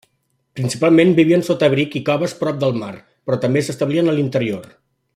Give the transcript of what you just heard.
Principalment vivien sota abric i coves prop del mar però també s'establien a l'interior.